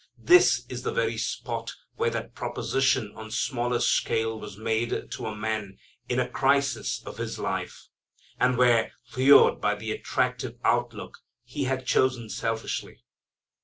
This is the very spot where that proposition on smaller scale was made to a man in a crisis of his life, and where, lured by the attractive outlook, he had chosen selfishly.